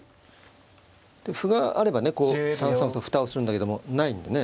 で歩があればね３三歩と蓋をするんだけどもないんでね。